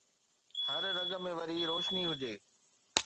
هر رڳ ۾ وري روشني هجي